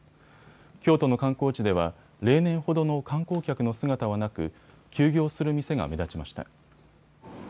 京都の観光地では、例年ほどの観光客の姿はなく休業する店が目立ちました。